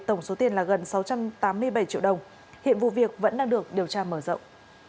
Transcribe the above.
tổng số tiền là gần sáu trăm tám mươi bảy triệu đồng hiện vụ việc vẫn đang được điều tra mở rộng